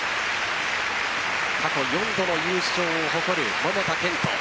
過去４度の優勝を誇る桃田賢斗。